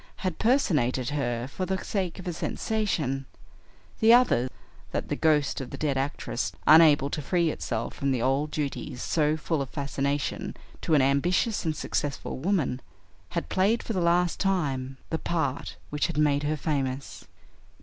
had personated her for the sake of a sensation; the other that the ghost of the dead actress, unable to free itself from the old duties so full of fascination to an ambitious and successful woman, had played for the last time the part which had made her famous."